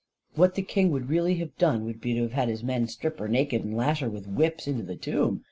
What the king would really have done would be to have his men strip her naked, and lash her with whips into the tomb.